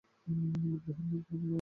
বিগ্রহের নাক ভাঙ্গা।